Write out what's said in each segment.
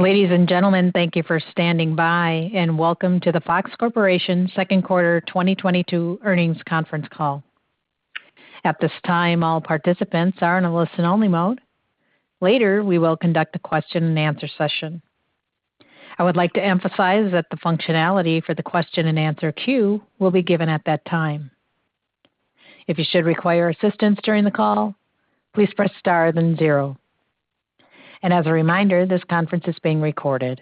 Ladies and gentlemen, thank you for standing by, and welcome to the Fox Corporation second quarter 2022 earnings conference call. At this time, all participants are in a listen-only mode. Later, we will conduct a question and answer session. I would like to emphasize that the functionality for the question and answer queue will be given at that time. If you should require assistance during the call, please press star, then zero. As a reminder, this conference is being recorded.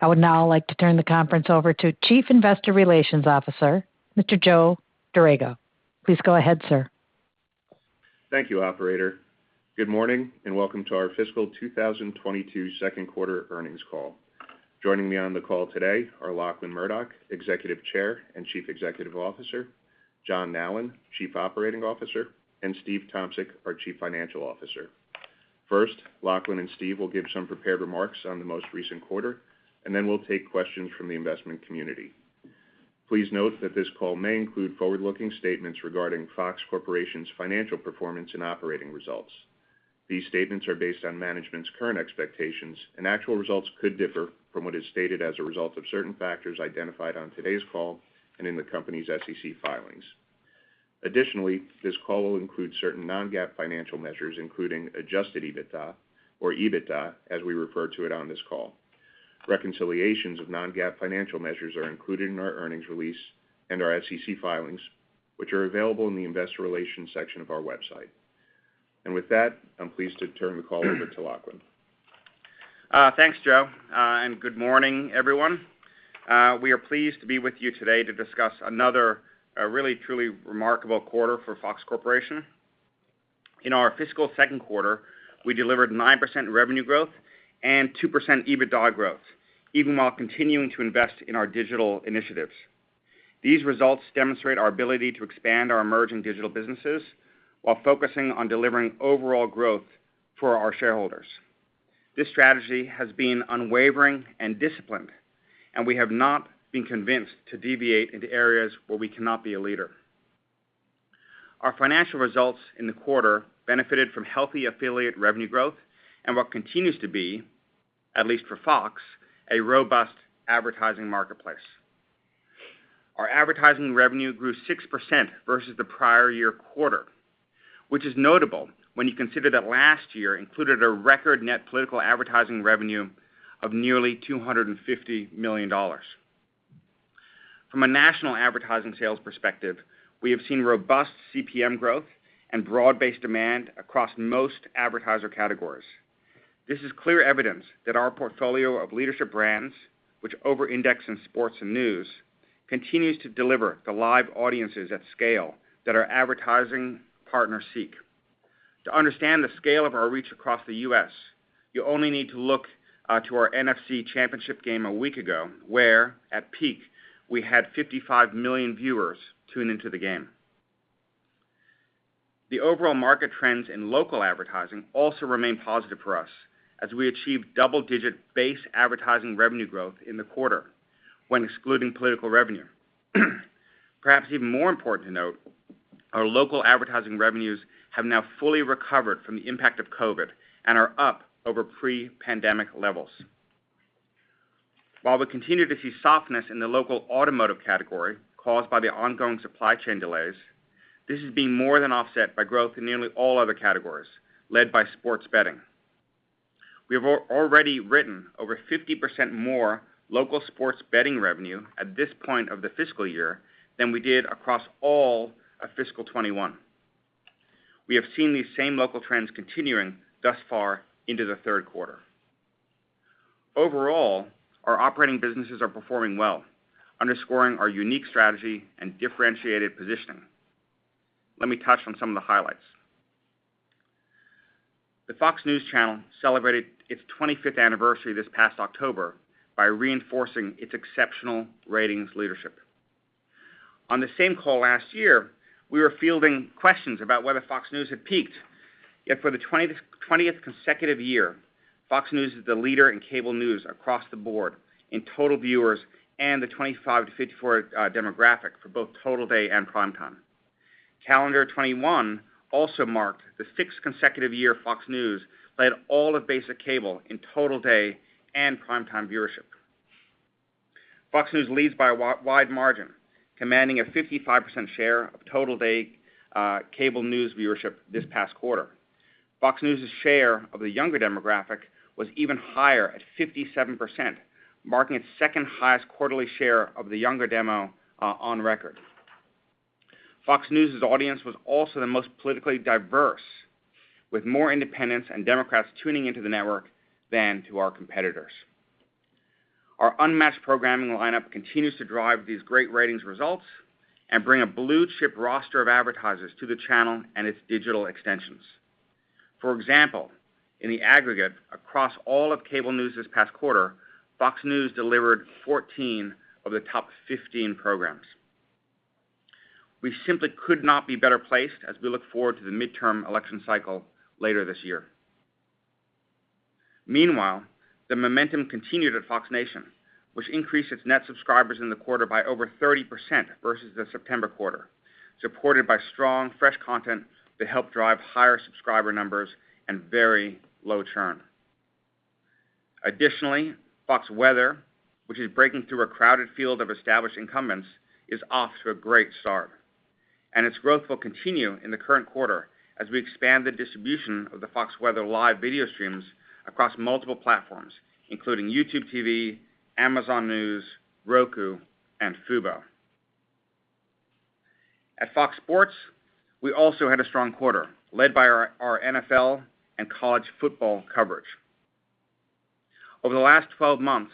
I would now like to turn the conference over to Chief Investor Relations Officer, Mr. Joe Dorrego. Please go ahead, sir. Thank you, operator. Good morning, and welcome to our fiscal 2022 second quarter earnings call. Joining me on the call today are Lachlan Murdoch, Executive Chair and Chief Executive Officer, John Nallen, Chief Operating Officer, and Steve Tomsic, our Chief Financial Officer. First, Lachlan and Steve will give some prepared remarks on the most recent quarter, and then we'll take questions from the investment community. Please note that this call may include forward-looking statements regarding Fox Corporation's financial performance and operating results. These statements are based on management's current expectations, and actual results could differ from what is stated as a result of certain factors identified on today's call and in the company's SEC filings. Additionally, this call will include certain non-GAAP financial measures, including adjusted EBITDA, or EBITDA, as we refer to it on this call. Reconciliations of non-GAAP financial measures are included in our earnings release and our SEC filings, which are available in the Investor Relations section of our website. With that, I'm pleased to turn the call over to Lachlan. Thanks, Joe, and good morning, everyone. We are pleased to be with you today to discuss another really truly remarkable quarter for Fox Corporation. In our fiscal second quarter, we delivered 9% revenue growth and 2% EBITDA growth, even while continuing to invest in our digital initiatives. These results demonstrate our ability to expand our emerging digital businesses while focusing on delivering overall growth for our shareholders. This strategy has been unwavering and disciplined, and we have not been convinced to deviate into areas where we cannot be a leader. Our financial results in the quarter benefited from healthy affiliate revenue growth and what continues to be, at least for Fox, a robust advertising marketplace. Our advertising revenue grew 6% versus the prior year quarter, which is notable when you consider that last year included a record net political advertising revenue of nearly $250 million. From a national advertising sales perspective, we have seen robust CPM growth and broad-based demand across most advertiser categories. This is clear evidence that our portfolio of leadership brands, which over-index in sports and news, continues to deliver the live audiences at scale that our advertising partners seek. To understand the scale of our reach across the U.S., you only need to look to our NFC championship game a week ago, where, at peak, we had 55 million viewers tune into the game. The overall market trends in local advertising also remain positive for us as we achieve double-digit base advertising revenue growth in the quarter when excluding political revenue. Perhaps even more important to note, our local advertising revenues have now fully recovered from the impact of COVID and are up over pre-pandemic levels. While we continue to see softness in the local automotive category caused by the ongoing supply chain delays, this is being more than offset by growth in nearly all other categories, led by sports betting. We have already written over 50% more local sports betting revenue at this point of the fiscal year than we did across all of fiscal 2021. We have seen these same local trends continuing thus far into the third quarter. Overall, our operating businesses are performing well, underscoring our unique strategy and differentiated positioning. Let me touch on some of the highlights. The Fox News Channel celebrated its 25th anniversary this past October by reinforcing its exceptional ratings leadership. On the same call last year, we were fielding questions about whether Fox News had peaked. Yet for the 20th consecutive year, Fox News is the leader in cable news across the board in total viewers and the 25 years-54 years demographic for both total day and prime time. Calendar 2021 also marked the sixth consecutive year Fox News led all of basic cable in total day and prime time viewership. Fox News leads by a wide margin, commanding a 55% share of total day cable news viewership this past quarter. Fox News's share of the younger demographic was even higher at 57%, marking its second highest quarterly share of the younger demo on record. Fox News's audience was also the most politically diverse, with more independents and Democrats tuning into the network than to our competitors. Our unmatched programming lineup continues to drive these great ratings results and bring a blue-chip roster of advertisers to the channel and its digital extensions. For example, in the aggregate across all of cable news this past quarter, Fox News delivered 14 of the top 15 programs. We simply could not be better placed as we look forward to the midterm election cycle later this year. Meanwhile, the momentum continued at Fox Nation, which increased its net subscribers in the quarter by over 30% versus the September quarter, supported by strong fresh content that helped drive higher subscriber numbers and very low churn. Additionally, FOX Weather, which is breaking through a crowded field of established incumbents, is off to a great start, and its growth will continue in the current quarter as we expand the distribution of the FOX Weather Live video streams across multiple platforms, including YouTube TV, Amazon News, Roku, and FuboTV. At FOX Sports, we also had a strong quarter, led by our NFL and college football coverage. Over the last 12 months,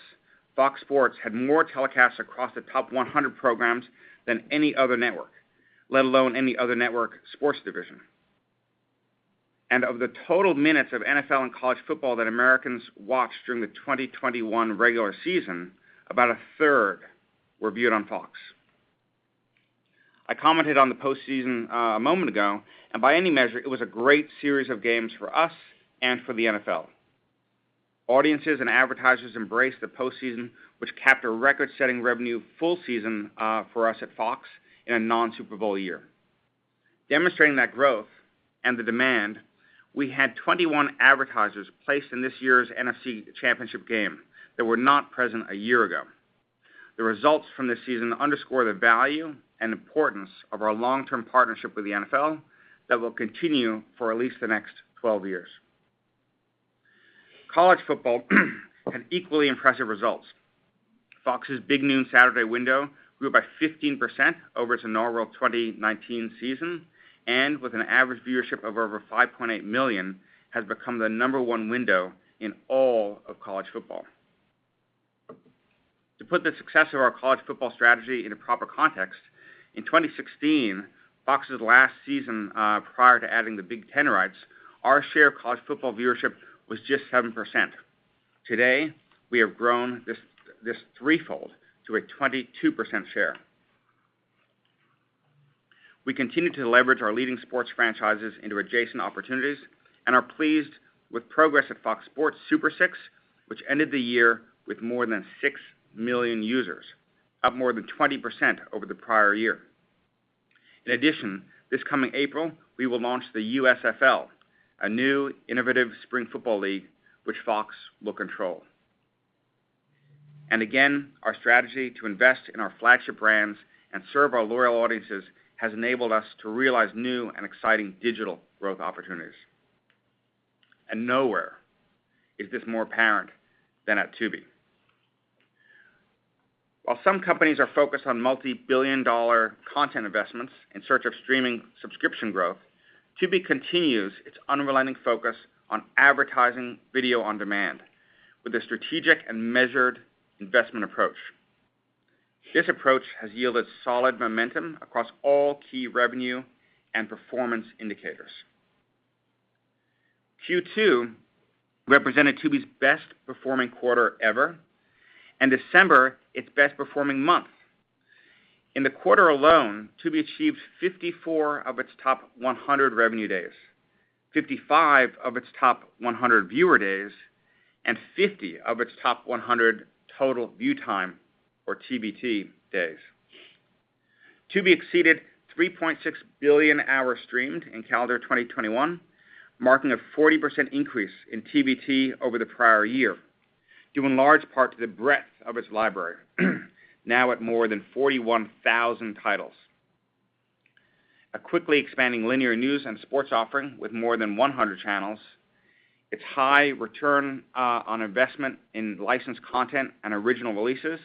FOX Sports had more telecasts across the top 100 programs than any other network, let alone any other network sports division. Of the total minutes of NFL and college football that Americans watched during the 2021 regular season, about 1/3 were viewed on Fox. I commented on the postseason a moment ago, and by any measure, it was a great series of games for us and for the NFL. Audiences and advertisers embraced the postseason, which capped a record-setting revenue full season for us at Fox in a non-Super Bowl year. Demonstrating that growth and the demand, we had 21 advertisers placed in this year's NFC Championship game that were not present a year ago. The results from this season underscore the value and importance of our long-term partnership with the NFL that will continue for at least the next 12 years. College football had equally impressive results. Fox's Big Noon Saturday window grew by 15% over its inaugural 2019 season, and with an average viewership of over 5.8 million, has become the Number One window in all of college football. To put the success of our college football strategy in a proper context, in 2016, Fox's last season prior to adding the Big Ten rights, our share of college football viewership was just 7%. Today, we have grown this threefold to a 22% share. We continue to leverage our leading sports franchises into adjacent opportunities and are pleased with progress at FOX Bet Super 6, which ended the year with more than 6 million users, up more than 20% over the prior year. In addition, this coming April, we will launch the USFL, a new innovative spring football league which Fox will control. Again, our strategy to invest in our flagship brands and serve our loyal audiences has enabled us to realize new and exciting digital growth opportunities. Nowhere is this more apparent than at Tubi. While some companies are focused on multi-billion dollar content investments in search of streaming subscription growth, Tubi continues its unrelenting focus on advertising video on demand with a strategic and measured investment approach. This approach has yielded solid momentum across all key revenue and performance indicators. Q2 represented Tubi's best-performing quarter ever, and December, its best-performing month. In the quarter alone, Tubi achieved 54 of its top 100 revenue days, 55 of its top 100 viewer days, and 50 of its top 100 total view time, or TVT days. Tubi exceeded 3.6 billion hours streamed in calendar 2021, marking a 40% increase in TVT over the prior year, due in large part to the breadth of its library now at more than 41,000 titles. A quickly expanding linear news and sports offering with more than 100 channels, its high return on investment in licensed content and original releases,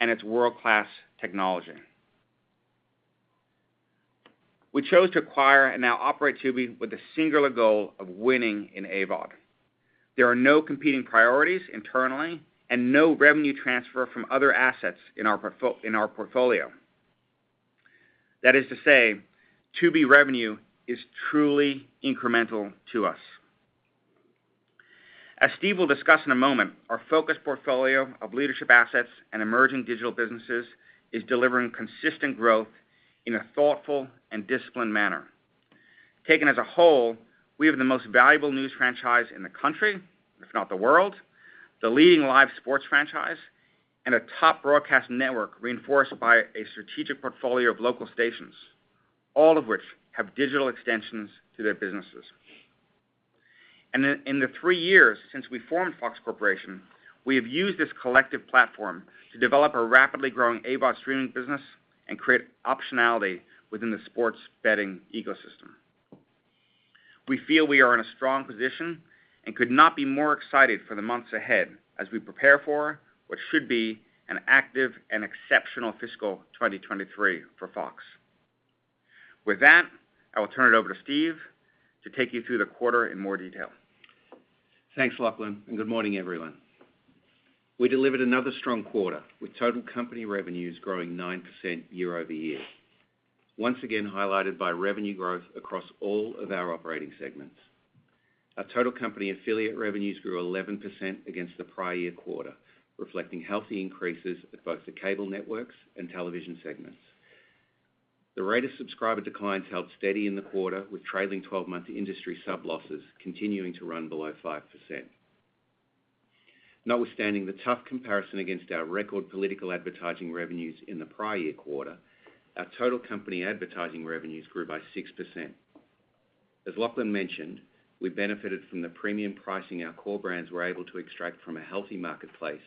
and its world-class technology. We chose to acquire and now operate Tubi with the singular goal of winning in AVOD. There are no competing priorities internally and no revenue transfer from other assets in our portfolio. That is to say, Tubi revenue is truly incremental to us. As Steve will discuss in a moment, our focused portfolio of leadership assets and emerging digital businesses is delivering consistent growth in a thoughtful and disciplined manner. Taken as a whole, we have the most valuable news franchise in the country, if not the world, the leading live sports franchise, and a top broadcast network reinforced by a strategic portfolio of local stations, all of which have digital extensions to their businesses. In the three years since we formed Fox Corporation, we have used this collective platform to develop a rapidly growing AVOD streaming business and create optionality within the sports betting ecosystem. We feel we are in a strong position and could not be more excited for the months ahead as we prepare for what should be an active and exceptional fiscal 2023 for Fox. With that, I will turn it over to Steve to take you through the quarter in more detail. Thanks, Lachlan, and good morning, everyone. We delivered another strong quarter with total company revenues growing 9% year-over-year. Once again highlighted by revenue growth across all of our operating segments. Our total company affiliate revenues grew 11% against the prior year quarter, reflecting healthy increases at both the cable networks and television segments. The rate of subscriber declines held steady in the quarter, with trailing 12-month industry sub losses continuing to run below 5%. Notwithstanding the tough comparison against our record political advertising revenues in the prior year quarter, our total company advertising revenues grew by 6%. As Lachlan mentioned, we benefited from the premium pricing our core brands were able to extract from a healthy marketplace,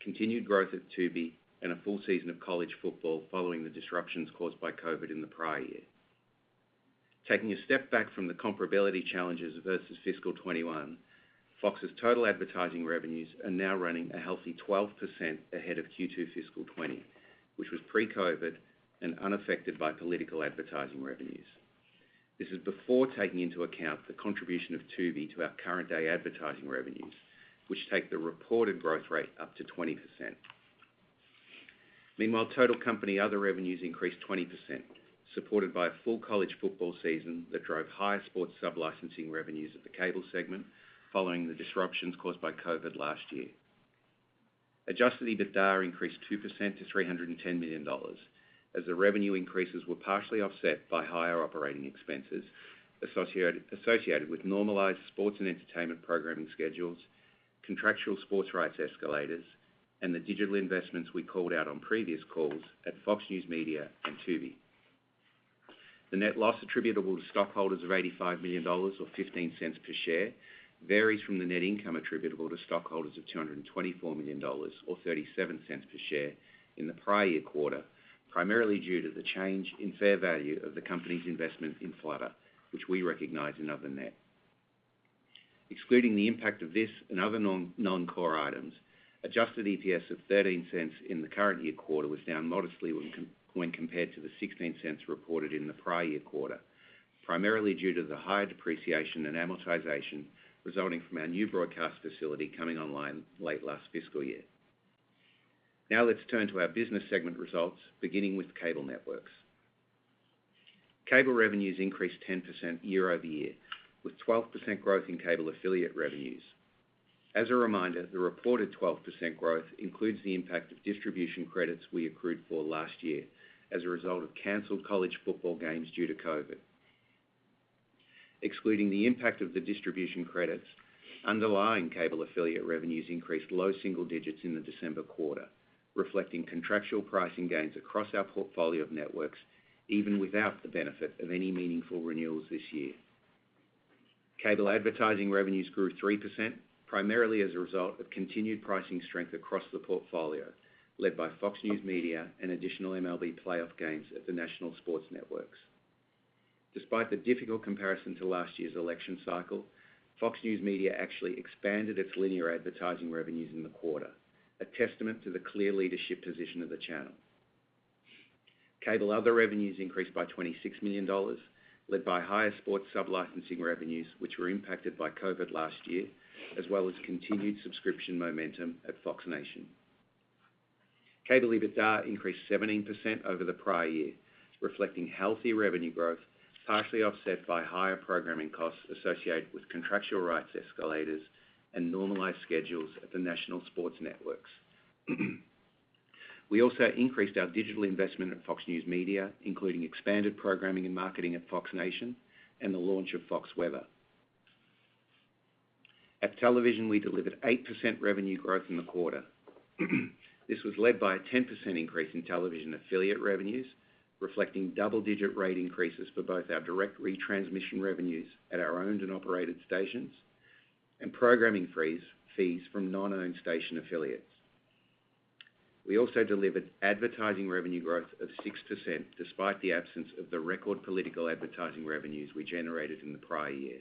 continued growth at Tubi, and a full season of college football following the disruptions caused by COVID in the prior year. Taking a step back from the comparability challenges versus fiscal 2021, Fox's total advertising revenues are now running a healthy 12% ahead of Q2 fiscal 2020, which was pre-COVID and unaffected by political advertising revenues. This is before taking into account the contribution of Tubi to our current day advertising revenues, which take the reported growth rate up to 20%. Meanwhile, total company other revenues increased 20%, supported by a full college football season that drove higher sports sub-licensing revenues at the cable segment following the disruptions caused by COVID last year. Adjusted EBITDA increased 2% to $310 million as the revenue increases were partially offset by higher operating expenses associated with normalized sports and entertainment programming schedules, contractual sports rights escalators, and the digital investments we called out on previous calls at Fox News Media and Tubi. The net loss attributable to stockholders of $85 million or $0.15 per share varies from the net income attributable to stockholders of $224 million or $0.37 per share in the prior year quarter, primarily due to the change in fair value of the company's investment in Flutter, which we recognize in other net. Excluding the impact of this and other non-core items, adjusted EPS of $0.13 in the current year quarter was down modestly when compared to the $0.16 reported in the prior year quarter, primarily due to the higher depreciation and amortization resulting from our new broadcast facility coming online late last fiscal year. Now let's turn to our business segment results, beginning with Cable Networks. Cable revenues increased 10% year-over-year, with 12% growth in cable affiliate revenues. As a reminder, the reported 12% growth includes the impact of distribution credits we accrued for last year as a result of canceled college football games due to COVID. Excluding the impact of the distribution credits, underlying cable affiliate revenues increased low single digits in the December quarter, reflecting contractual pricing gains across our portfolio of networks even without the benefit of any meaningful renewals this year. Cable advertising revenues grew 3%, primarily as a result of continued pricing strength across the portfolio, led by Fox News Media and additional MLB playoff games at the national sports networks. Despite the difficult comparison to last year's election cycle, Fox News Media actually expanded its linear advertising revenues in the quarter, a testament to the clear leadership position of the channel. Cable other revenues increased by $26 million, led by higher sports sub-licensing revenues, which were impacted by COVID last year, as well as continued subscription momentum at Fox Nation. Cable EBITDA increased 17% over the prior year, reflecting healthy revenue growth, partially offset by higher programming costs associated with contractual rights escalators and normalized schedules at the national sports networks. We also increased our digital investment at Fox News Media, including expanded programming and marketing at Fox Nation and the launch of Fox Weather. At television, we delivered 8% revenue growth in the quarter. This was led by a 10% increase in television affiliate revenues, reflecting double-digit rate increases for both our direct retransmission revenues at our owned and operated stations and programming fees from non-owned station affiliates. We also delivered advertising revenue growth of 6% despite the absence of the record political advertising revenues we generated in the prior year.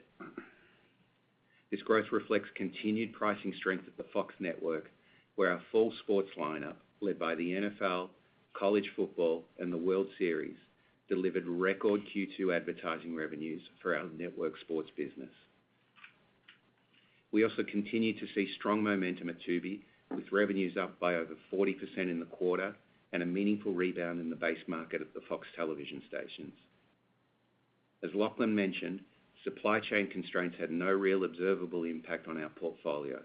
This growth reflects continued pricing strength at the Fox Network, where our full sports lineup, led by the NFL, college football, and the World Series, delivered record Q2 advertising revenues for our network sports business. We also continued to see strong momentum at Tubi, with revenues up by over 40% in the quarter and a meaningful rebound in the base market at the Fox Television Stations. As Lachlan mentioned, supply chain constraints had no real observable impact on our portfolio,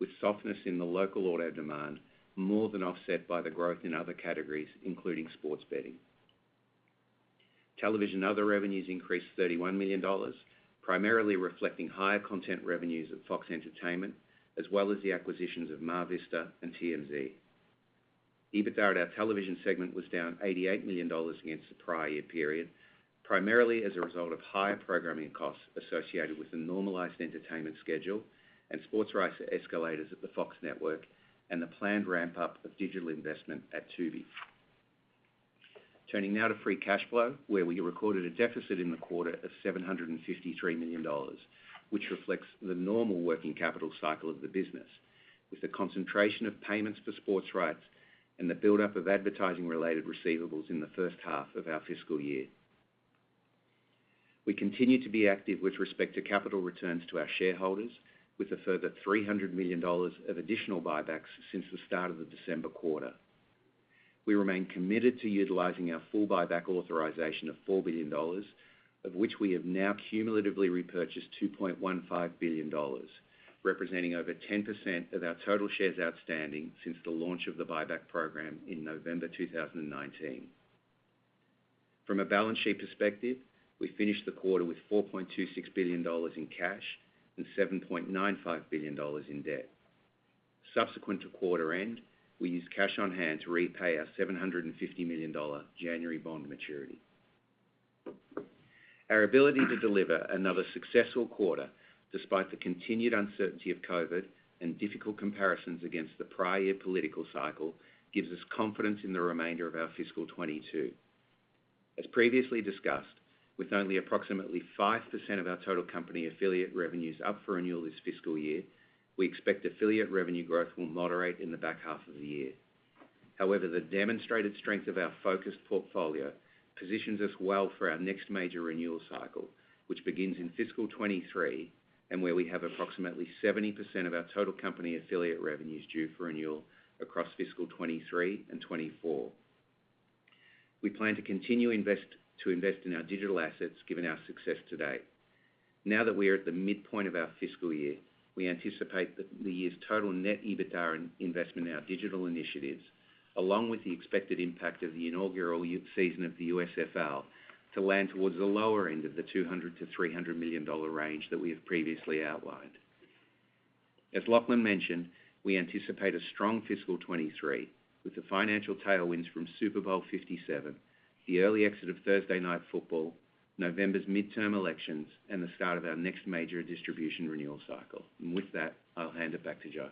with softness in the local auto demand more than offset by the growth in other categories, including sports betting. Television other revenues increased $31 million, primarily reflecting higher content revenues at Fox Entertainment, as well as the acquisitions of MarVista Entertainment and TMZ. EBITDA at our Television segment was down $88 million against the prior year period, primarily as a result of higher programming costs associated with the normalized entertainment schedule and sports rights escalators at the Fox network and the planned ramp-up of digital investment at Tubi. Turning now to free cash flow, where we recorded a deficit in the quarter of $753 million, which reflects the normal working capital cycle of the business, with the concentration of payments for sports rights and the buildup of advertising-related receivables in the first half of our fiscal year. We continue to be active with respect to capital returns to our shareholders with a further $300 million of additional buybacks since the start of the December quarter. We remain committed to utilizing our full buyback authorization of $4 billion, of which we have now cumulatively repurchased $2.15 billion, representing over 10% of our total shares outstanding since the launch of the buyback program in November 2019. From a balance sheet perspective, we finished the quarter with $4.26 billion in cash and $7.95 billion in debt. Subsequent to quarter end, we used cash on hand to repay our $750 million January bond maturity. Our ability to deliver another successful quarter despite the continued uncertainty of COVID and difficult comparisons against the prior year political cycle gives us confidence in the remainder of our fiscal 2022. As previously discussed, with only approximately 5% of our total company affiliate revenues up for renewal this fiscal year, we expect affiliate revenue growth will moderate in the back half of the year. However, the demonstrated strength of our focused portfolio positions us well for our next major renewal cycle, which begins in fiscal 2023, and where we have approximately 70% of our total company affiliate revenues due for renewal across fiscal 2023 and 2024. We plan to continue to invest in our digital assets given our success to date. Now that we are at the midpoint of our fiscal year, we anticipate the year's total net EBITDA and investment in our digital initiatives, along with the expected impact of the inaugural season of the USFL, to land towards the lower end of the $200 million-$300 million range that we have previously outlined. As Lachlan mentioned, we anticipate a strong fiscal 2023 with the financial tailwinds from Super Bowl LVII, the early exit of Thursday Night Football, November's midterm elections, and the start of our next major distribution renewal cycle. With that, I'll hand it back to Joe.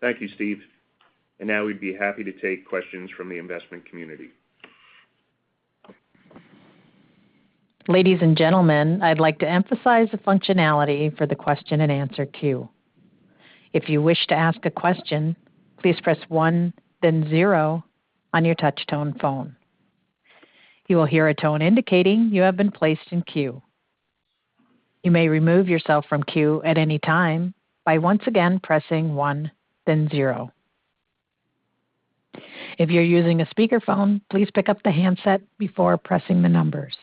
Thank you, Steve. Now we'd be happy to take questions from the investment community. Ladies and gentlemen, I'd like to emphasize the functionality for the question and answer queue. If you wish to ask a question, please press one then zero on your touch-tone phone, you will hear a tone indicating you have a place in the queue. You may remove yourself from the queue at anytime by pressing one then zero. If you're using a speaker phone, please pick up the handset before pressing the numbers.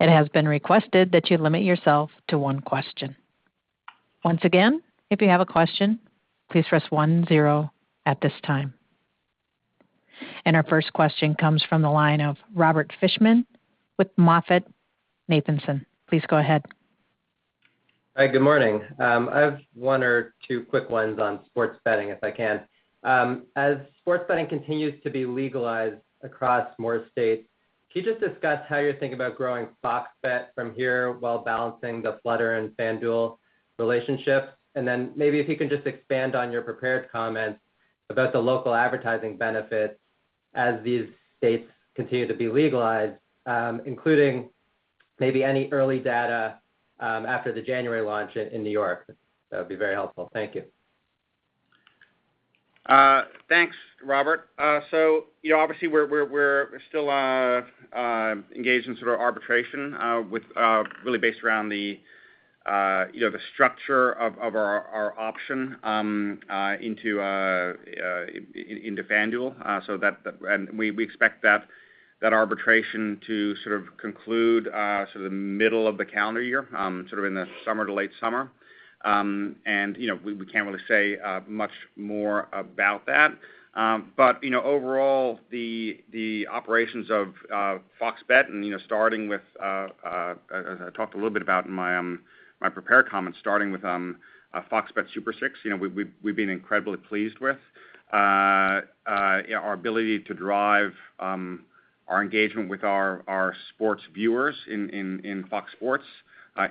It has been requested that you limit yourself to one question. Once again, if you have a question, please press one zero at this time. Our first question comes from the line of Robert Fishman with MoffettNathanson. Please go ahead. Hi, good morning. I have one or two quick ones on sports betting if I can. As sports betting continues to be legalized across more states, can you just discuss how you think about growing FOX Bet from here while balancing the Flutter and FanDuel relationship? Maybe if you can just expand on your prepared comments about the local advertising benefits as these states continue to be legalized, including maybe any early data after the January launch in New York. That would be very helpful. Thank you. Thanks, Robert. Obviously we're still engaged in sort of arbitration with Flutter based around the structure of our option into FanDuel. We expect that arbitration to sort of conclude sort of the middle of the calendar year, sort of in the summer to late summer. We can't really say much more about that. Overall the operations of FOX Bet, and as I talked a little bit about in my prepared comments, starting with FOX Bet Super 6, we've been incredibly pleased with our ability to drive our engagement with our sports viewers in FOX Sports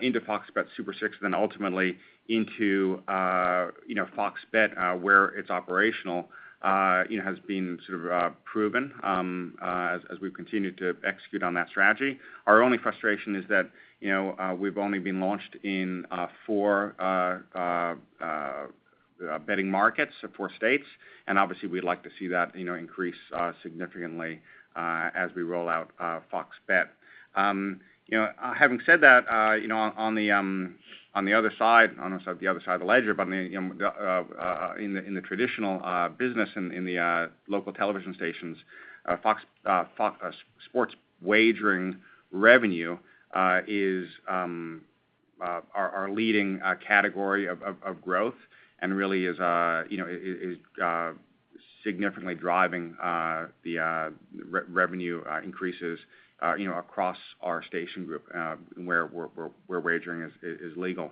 into FOX Bet Super 6, then ultimately into FOX Bet where it's operational, it has been sort of proven as we've continued to execute on that strategy. Our only frustration is that we've only been launched in four betting markets, so four states. Obviously we'd like to see that increase significantly as we roll out FOX Bet. Having said that, on the other side, almost like the other side of the ledger, but I mean, in the traditional business in the local television stations, Fox sports wagering revenue is our leading category of growth and really is significantly driving the revenue increases, across our station group where wagering is legal.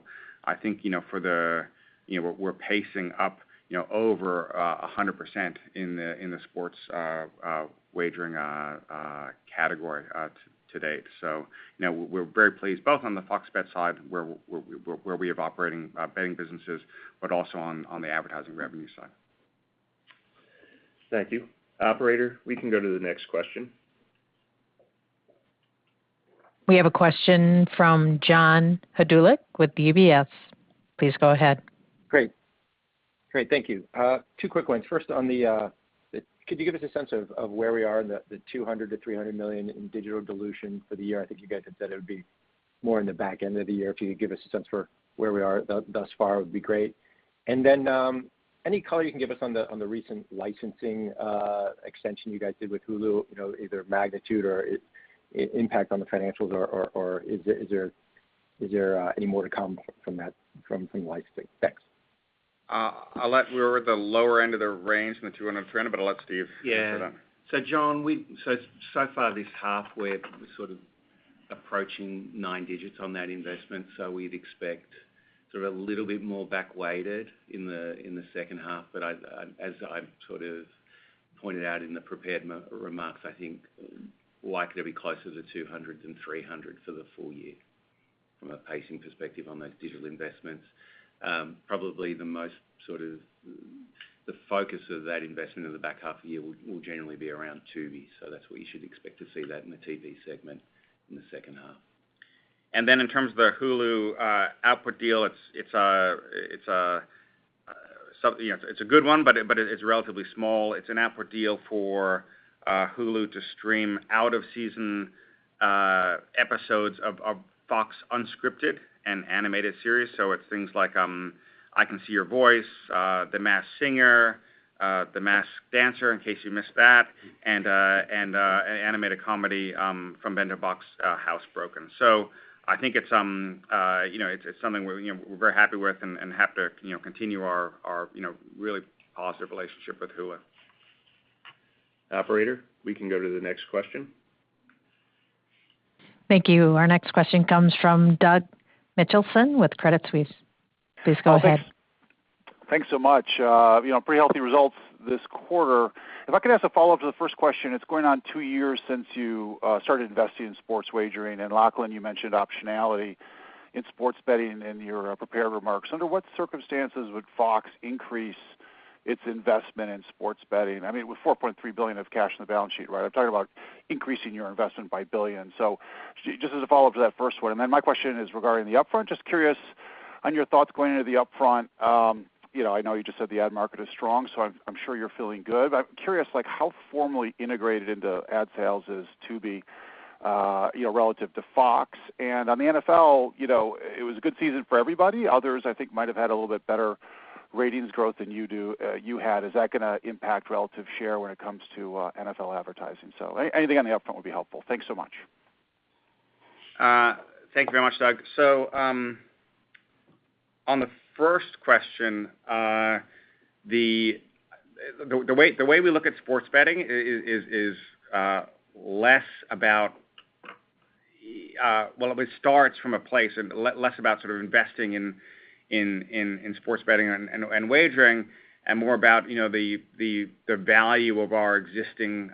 We're pacing up, over 100% in the sports wagering category to date. We're very pleased both on the FOX Bet side where we have operating betting businesses, but also on the advertising revenue side. Thank you. Operator, we can go to the next question. We have a question from John Hodulik with UBS. Please go ahead. Great. Thank you. Two quick ones. First on the, could you give us a sense of where we are in the $200 million-$300 million in digital dilution for the year? I think you guys had said it would be more in the back end of the year. If you could give us a sense for where we are thus far would be great. Then, any color you can give us on the recent licensing extension you guys did with Hulu, either magnitude or its impact on the financials, or is there any more to come from that, from licensing? Thanks. We're at the lower end of the range in the $200 million-$300 million, but I'll let Steve answer that. John, so far this half, we're sort of approaching nine digits on that investment. We'd expect sort of a little bit more back-weighted in the second half. But as I sort of pointed out in the prepared remarks, I think likely to be closer to $200 million than $300 million for the full year from a pacing perspective on those digital investments. Probably the most sort of the focus of that investment in the back half of the year will generally be around Tubi. That's what you should expect to see that in the TV segment in the second half. In terms of the Hulu output deal, it's a good one, but it's relatively small. It's an output deal for Hulu to stream out-of-season episodes of Fox unscripted and animated series. It's things like I Can See Your Voice, The Masked Singer, The Masked Dancer, in case you missed that, and animated comedy from Bento Box, HouseBroken. I think it's something we're very happy with and happy to continue our really positive relationship with Hulu. Operator, we can go to the next question. Thank you. Our next question comes from Doug Mitchelson with Credit Suisse. Please go ahead. Thanks so much. Pretty healthy results this quarter. If I could ask a follow-up to the first question, it's going on two years since you started investing in sports wagering. Lachlan, you mentioned optionality in sports betting in your prepared remarks. Under what circumstances would Fox increase its investment in sports betting? I mean, with $4.3 billion of cash in the balance sheet, right? I'm talking about increasing your investment by billions. Just as a follow-up to that first one, and then my question is regarding the upfront. Just curious on your thoughts going into the upfront. I know you just said the ad market is strong, so I'm sure you're feeling good. But I'm curious, like how formally integrated into ad sales is Tubi, relative to Fox? On the NFL, it was a good season for everybody. Others, I think, might have had a little bit better ratings growth than you do, you had. Is that gonna impact relative share when it comes to, NFL advertising? Anything on the upfront would be helpful. Thanks so much. Thank you very much, Doug. On the first question, the way we look at sports betting is less about, well, it starts from a place of less about sort of investing in sports betting and wagering and more about the value of our existing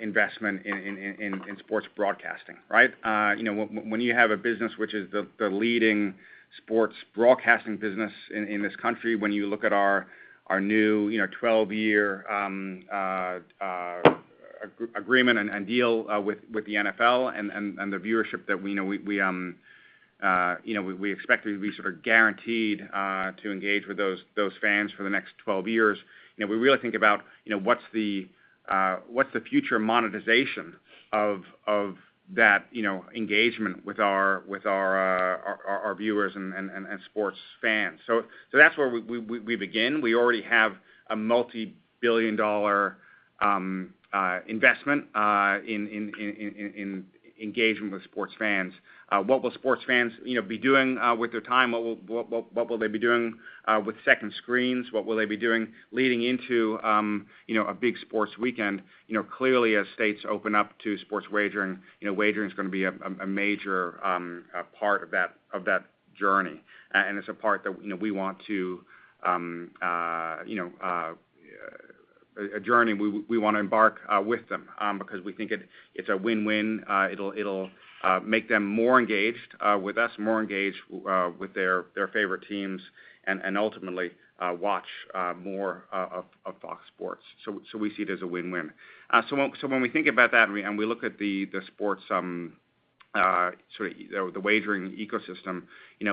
investment in sports broadcasting, right? When you have a business which is the leading sports broadcasting business in this country, when you look at our new, you know, 12-year agreement and deal with the NFL and the viewership that we know we expect to be sort of guaranteed to engage with those fans for the next 12 years. We really think about what's the future monetization of that engagement with our viewers and sports fans. That's where we begin. We already have a multi-billion-dollar investment in engagement with sports fans. What will sports fans be doing with their time? What will they be doing with second screens? What will they be doing leading into, a big sports weekend? Clearly as states open up to sports wagering, wagering is gonna be a major part of that journey. It's part of a journey we wanna embark with them, because we think it's a win-win. It'll make them more engaged with us, more engaged with their favorite teams and ultimately watch more of FOX Sports. We see it as a win-win. When we think about that and we look at the sports sort of the wagering ecosystem,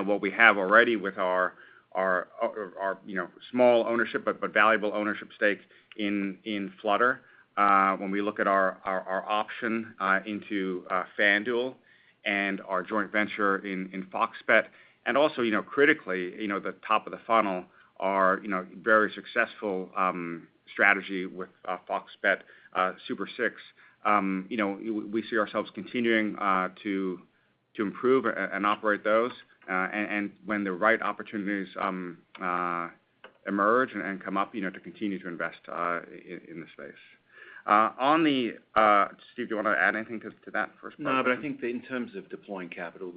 what we have already with our small ownership but valuable ownership stake in Flutter, when we look at our option into FanDuel and our joint venture in FOX Bet. Also, critically, you know, the top of the funnel are very successful strategy with FOX Bet Super 6. We see ourselves continuing to improve and operate those, and when the right opportunities emerge and come up to continue to invest in this space. Steve, do you want to add anything to that first part? No, but I think in terms of deploying capital,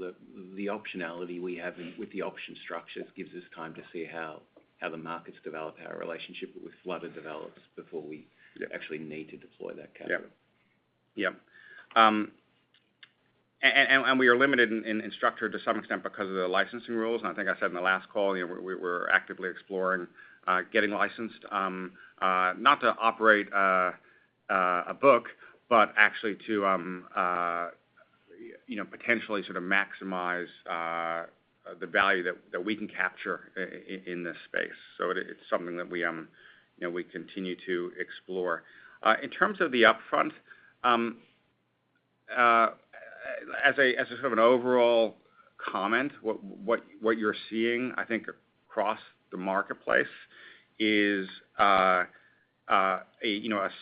the optionality we have in with the option structures gives us time to see how the markets develop, how our relationship with Flutter develops before we actually need to deploy that capital. We are limited in structure to some extent because of the licensing rules. I think I said in the last call, we're actively exploring getting licensed not to operate a book, but actually to potentially sort of maximize the value that we can capture in this space. It's something that we continue to explore. In terms of the upfront, as a sort of an overall comment, what you're seeing I think across the marketplace is a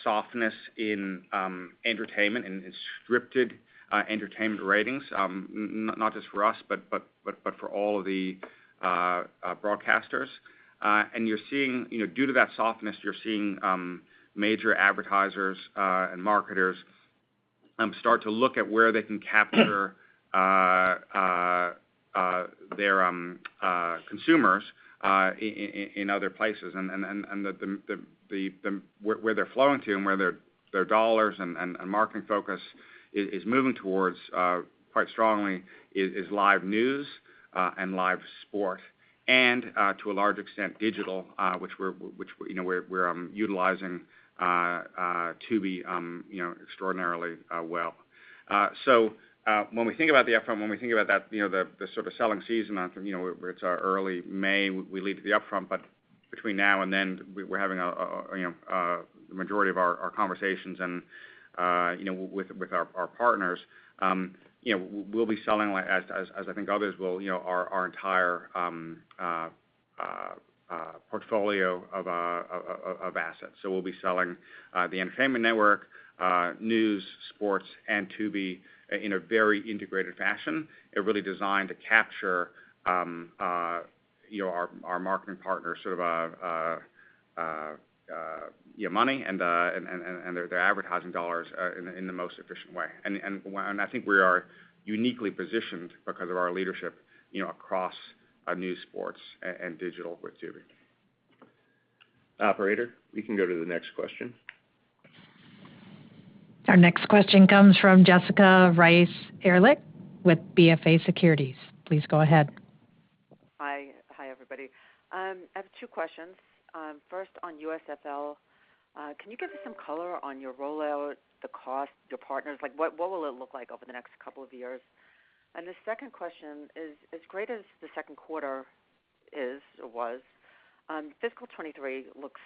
softness in entertainment and in scripted entertainment ratings not just for us, but for all of the broadcasters. You're seeing Due to that softness, you're seeing major advertisers and marketers start to look at where they can capture their consumers in other places where they're flowing to and where their dollars and marketing focus is moving towards quite strongly is live news and live sport and to a large extent digital which we're you know utilizing Tubi extraordinarily well. When we think about the upfront, when we think about the sort of selling season from early May leading to the upfront, but between now and then we're having the majority of our conversations with our partners. We'll be selling, as I think others will, our entire portfolio of assets. We'll be selling the entertainment network, news, sports, and Tubi in a very integrated fashion. They're really designed to capture our marketing partners, sort of their money and their advertising dollars in the most efficient way. I think we are uniquely positioned because of our leadership, across news, sports and digital with Tubi. Operator, we can go to the next question. Our next question comes from Jessica Reif Ehrlich with Bank of America Merrill Lynch. Please go ahead. Hi. Hi everybody. I have two questions. First, on USFL, can you give us some color on your rollout, the cost, your partners? Like, what will it look like over the next couple of years? The second question is, as great as the second quarter is or was, fiscal 2023 looks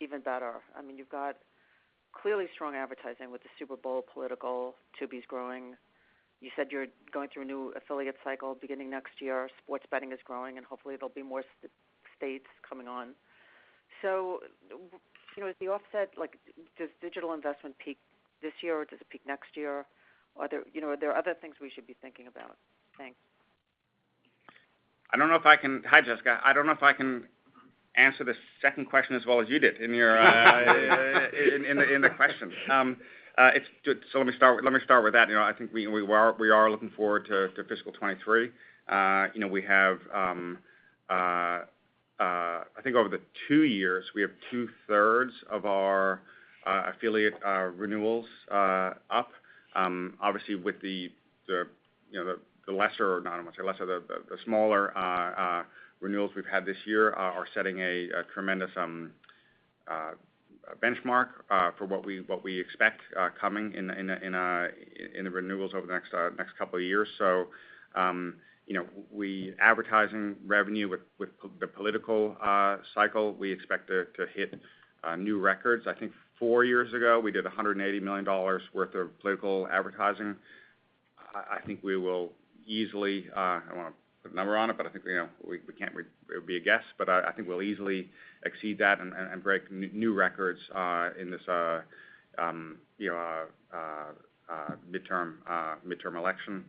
even better. I mean, you've got clearly strong advertising with the Super Bowl, political, Tubi's growing. You said you're going through a new affiliate cycle beginning next year. Sports betting is growing, and hopefully there'll be more states coming on. Is the offset like, does digital investment peak this year, or does it peak next year? Are there other things we should be thinking about? Thanks. Hi, Jessica. I don't know if I can answer the second question as well as you did in your, in the question. Let me start with that. I think we are looking forward to fiscal 2023. You know, we have, I think over the two years, we have 2/3 of our affiliate renewals up. Obviously with the lesser, or not I won't say lesser, the smaller renewals we've had this year are setting a tremendous benchmark for what we expect coming in the renewals over the next couple of years. Advertising revenue with the political cycle, we expect to hit new records. I think four years ago, we did $180 million worth of political advertising. I think we will easily. I don't want to put a number on it, but I think it would be a guess, but I think we'll easily exceed that and break new records in this midterm election.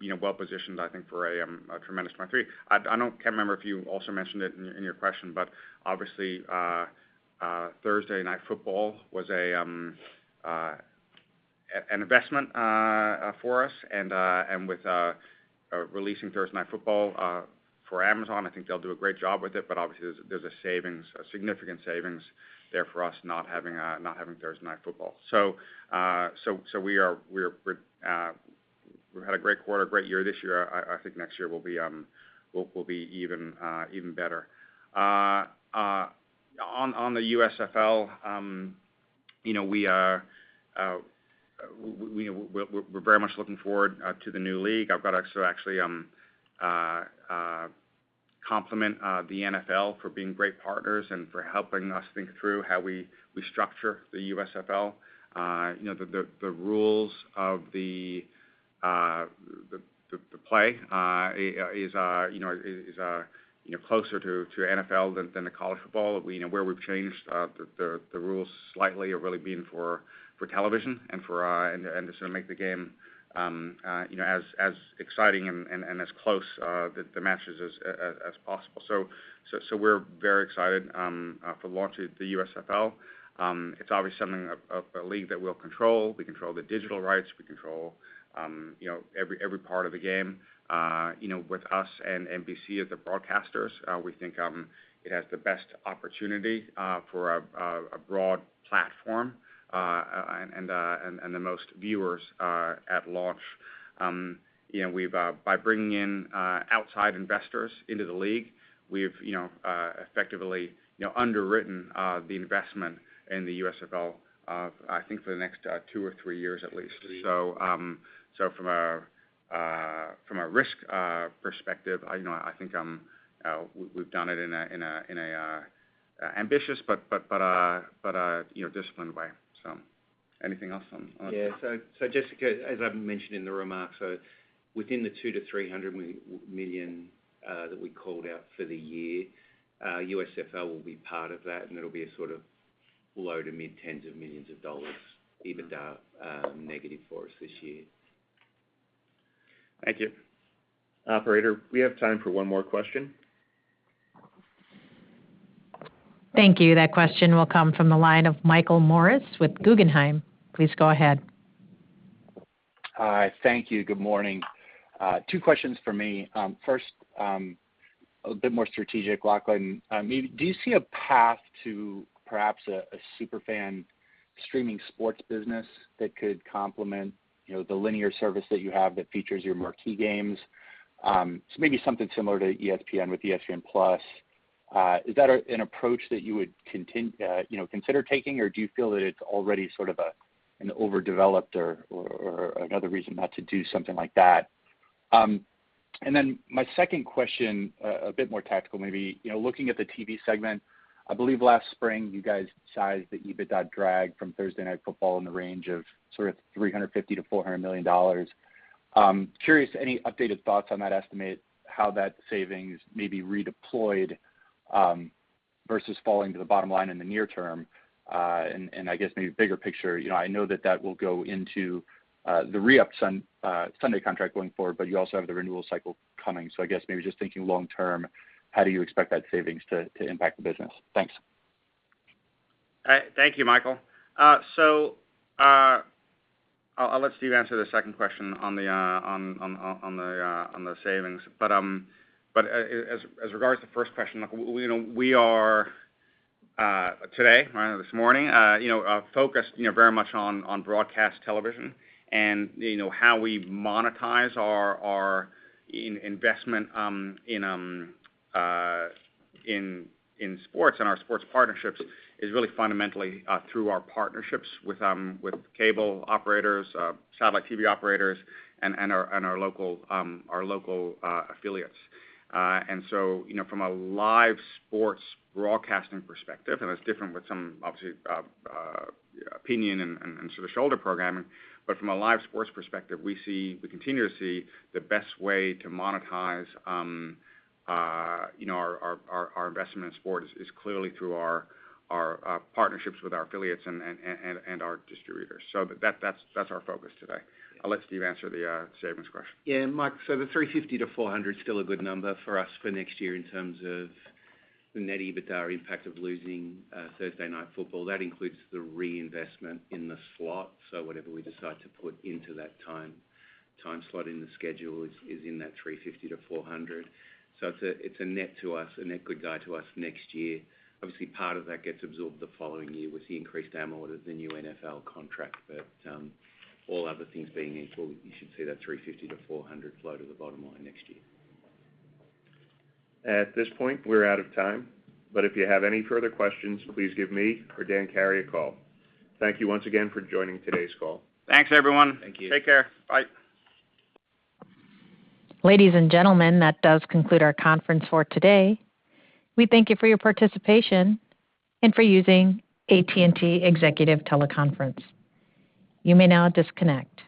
We're well positioned, I think, for a tremendous 2023. I can't remember if you also mentioned it in your question, but obviously, Thursday Night Football was an investment for us and with releasing Thursday Night Football for Amazon, I think they'll do a great job with it, but obviously, there's a significant savings there for us not having Thursday Night Football. We've had a great quarter, great year this year. I think next year will be even better. On the USFL, we are very much looking forward to the new league. I've got to actually compliment the NFL for being great partners and for helping us think through how we structure the USFL. The rules of the play is, you know, closer to NFL than the college football. We know where we've changed the rules slightly have really been for television and for and to sort of make the game, you know, as exciting and as close the matches as possible. We're very excited for the launch of the USFL. It's obviously something of a league that we'll control. We control the digital rights. We control, you know, every part of the game. You know, with us and NBC as the broadcasters, we think it has the best opportunity for a broad platform and the most viewers at launch. You know, by bringing in outside investors into the league, we've effectively underwritten the investment in the USFL I think for the next two or three years at least. From a risk perspective, I think we've done it in an ambitious but a disciplined way. Anything else on... Jessica, as I've mentioned in the remarks, within the $200 million-$300 million that we called out for the year, USFL will be part of that, and it'll be a sort of low- to mid-10s of millions of dollars EBITDA negative for us this year. Thank you. Operator, we have time for one more question. Thank you. That question will come from the line of Michael Morris with Guggenheim Securities. Please go ahead. Hi. Thank you. Good morning. Two questions for me. First, a bit more strategic, Lachlan. Do you see a path to perhaps a super fan streaming sports business that could complement, the linear service that you have that features your marquee games? So maybe something similar to ESPN with ESPN+. Is that an approach that you would consider taking, or do you feel that it's already sort of an overdeveloped or another reason not to do something like that? Then my second question, a bit more tactical maybe looking at the TV segment, I believe last spring you guys sized the EBITDA drag from Thursday Night Football in the range of sort of $350 million-$400 million. Curious any updated thoughts on that estimate, how that savings may be redeployed, versus falling to the bottom line in the near term? I guess maybe bigger picture, I know that will go into the re-ups on Sunday contract going forward, but you also have the renewal cycle coming. I guess maybe just thinking long term, how do you expect that savings to impact the business? Thanks. Thank you, Michael. I'll let Steve answer the second question on the savings. As regards to the first question, Michael, we are today, this morning, focused, very much on broadcast television and, how we monetize our investment in sports and our sports partnerships is really fundamentally through our partnerships with cable operators, satellite TV operators and our local affiliates. From a live sports broadcasting perspective, and it's different with some obviously opinion and sort of shoulder programming, but from a live sports perspective, we continue to see the best way to monetize our investment in sports is clearly through our partnerships with our affiliates and our distributors. That's our focus today. I'll let Steve answer the savings question. Yeah, Mike, the $350 million-$400 million is still a good number for us for next year in terms of the net EBITDA impact of losing Thursday Night Football. That includes the reinvestment in the slot. Whatever we decide to put into that time slot in the schedule is in that $350 million-$400 million. It's a net positive for us next year. Obviously, part of that gets absorbed the following year with the increased amortization of the new NFL contract. All other things being equal, you should see that $350 million-$400 million flow to the bottom line next year. At this point, we're out of time, but if you have any further questions, please give me or Dan Carey a call. Thank you once again for joining today's call. Thanks, everyone. Thank you. Take care. Bye. Ladies and gentlemen, that does conclude our conference for today. We thank you for your participation and for using AT&T Executive TeleConference Services. You may now disconnect.